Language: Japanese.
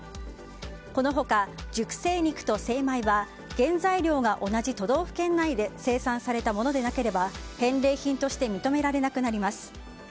この他、熟成肉と精米は原材料が同じ都道府県内で生産されたものでなければ返礼品として認められなくなります。